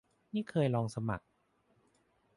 นี่เคยลองสมัคร